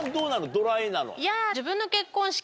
ドライなの？